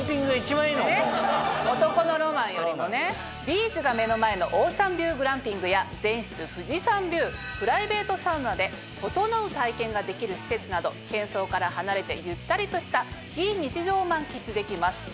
ビーチが目の前のオーシャンビューグランピングや全室富士山ビュープライベートサウナでととのう体験ができる施設など喧騒から離れてゆったりとした非日常を満喫できます。